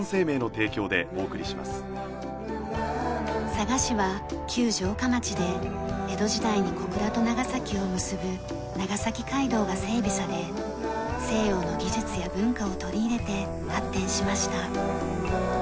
佐賀市は旧城下町で江戸時代に小倉と長崎を結ぶ長崎街道が整備され西洋の技術や文化を取り入れて発展しました。